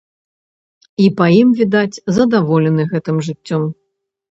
І, па ім відаць, задаволены гэтым жыццём.